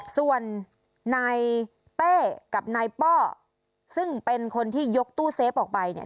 ส่วนนายเต้กับนายป้อซึ่งเป็นคนที่ยกตู้เซฟออกไปเนี่ย